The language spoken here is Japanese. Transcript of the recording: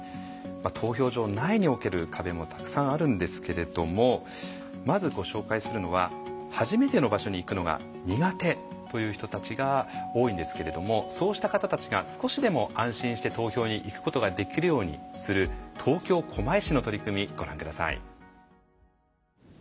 投票所内における壁もたくさんあるんですけれどもまずご紹介するのは初めての場所に行くのが苦手という人たちが多いんですけれどもそうした方たちが少しでも安心して投票に行くことができるようにする東京狛江市の取り組みご覧下さい。